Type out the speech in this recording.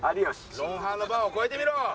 『ロンハー』のバーを越えてみろ。